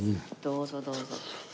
どうぞどうぞ。